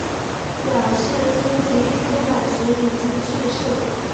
表示书籍出版时已经去世。